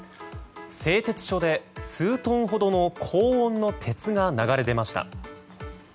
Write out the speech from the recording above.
製鉄所で数トンほどの高温の鉄が流れ出ました。